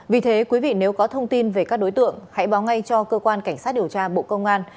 vì thế quý vị nếu có thông tin về các đối tượng hãy báo ngay cho cơ quan cảnh sát điều tra bộ công an